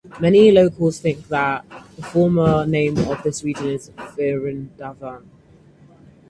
Many locals think that the former name of this region is Vrindavan.